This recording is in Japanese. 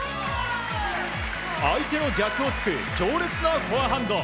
相手の逆を突く強烈なフォアハンド。